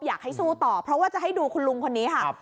อยากให้สู้ต่อเพราะว่าจะให้ดูคุณลุงคนนี้ค่ะ